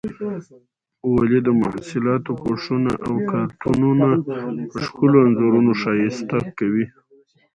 ولې د محصولاتو پوښونه او کارتنونه په ښکلو انځورونو ښایسته کوي؟